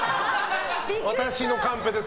私のカンペです。